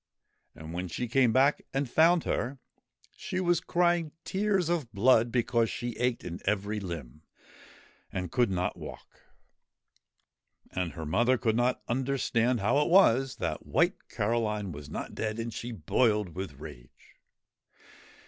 And, when she came back and found her, she was crying tears of blood because she ached in every limb and could not walk And her mother could not understand how it was that White Caroline was not dead, and she boiled with rage.